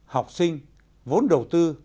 học sinh vốn đầu tư